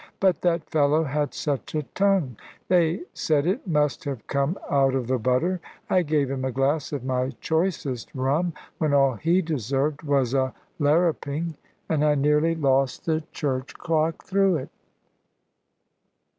But that fellow had such a tongue they said it must have come out of the butter. I gave him a glass of my choicest rum, when all he deserved was a larruping. And I nearly lost the church clock through it.